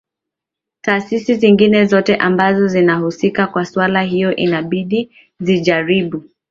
tasisi zingine zote ambazo zinahusika na swala hilo inabidi zijaribu